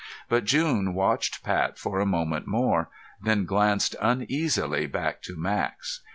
But June watched Pat for a moment more, then glanced uneasily back to Max.